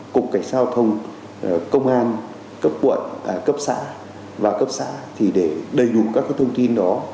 cục cảnh sao thông công an cấp quận cấp xã và cấp xã để đầy đủ các thông tin đó